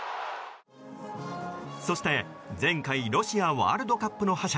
そして、前回ロシアワールドカップの覇者